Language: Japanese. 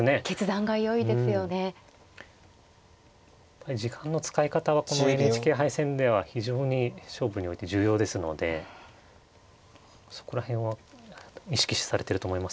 やっぱり時間の使い方はこのＮＨＫ杯戦では非常に勝負において重要ですのでそこら辺は意識されてると思います。